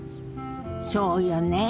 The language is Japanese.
そうよね。